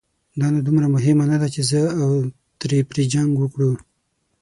دا نو دومره مهمه نه ده، چې زه او ترې پرې جنګ وکړو.